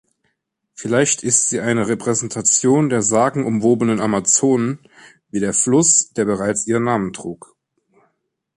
Vielleicht ist sie eine Repräsentation der sagenumwobenen Amazonen, wie der Fluss, der bereits ihren Namen trug.